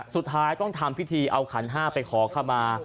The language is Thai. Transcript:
สุดท้ายต้องทำพิธีเอาขันห้าไปขอขมา